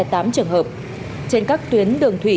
tám trường hợp trên các tuyến đường thủy